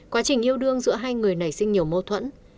quá trình yêu đương giữa hai người nảy sinh nhiều mâu thuẫn